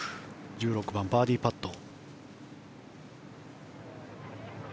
１６番、バーディーパット。